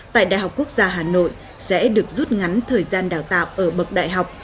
tại đại học quốc gia hà nội sẽ được rút ngắn thời gian đào tạo ở bậc đại học